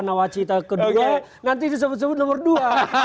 nah wacita kedua nanti disebut sebut nomor dua